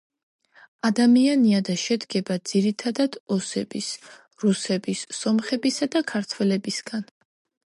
ადამიანია და შედგება ძირითადად ოსების, რუსების, სომხებისა და ქართველებისგან.